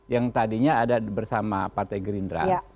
yang tadinya ada bersama partai gerindra